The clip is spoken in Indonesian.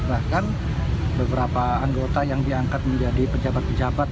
bahkan beberapa anggota yang diangkat menjadi pejabat pejabat